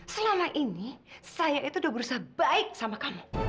selama ini saya itu udah berusaha baik sama kamu